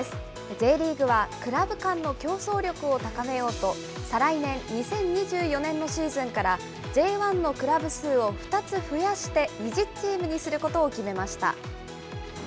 Ｊリーグは、クラブ間の競争力を高めようと、再来年２０２４年のシーズンから、Ｊ１のクラブ数を２つ増やして、２０チームにすることを決めました。